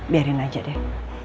biarin aja deh